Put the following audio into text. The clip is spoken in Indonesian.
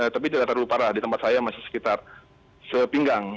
tapi tidak terlalu parah di tempat saya masih sekitar sepinggang